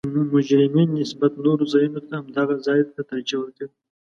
مجرمین نسبت نورو ځایونو ته همدغه ځا ته ترجیح ورکوي